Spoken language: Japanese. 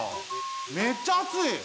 めっちゃあつい！